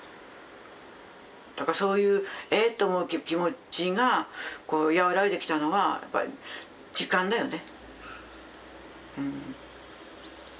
そういう「え」って思う気持ちが和らいできたのはやっぱり時間だよね。